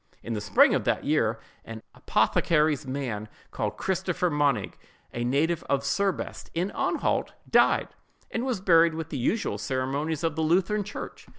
In the spring of that year, an apothecary's man, called Christopher Monig—a native of Serbest, in Anhalt—died, and was buried with the usual ceremonies of the Lutheran church.